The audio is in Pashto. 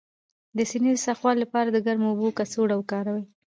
د سینې د سختوالي لپاره د ګرمو اوبو کڅوړه وکاروئ